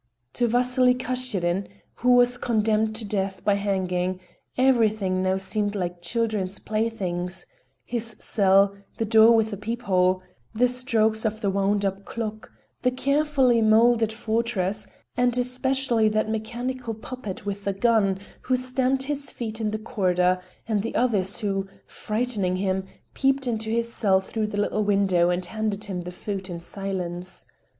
To Vasily Kashirin, who was condemned to death by hanging, everything now seemed like children's playthings: his cell, the door with the peephole, the strokes of the wound up clock, the carefully molded fortress, and especially that mechanical puppet with the gun who stamped his feet in the corridor, and the others who, frightening him, peeped into his cell through the little window and handed him the food in silence.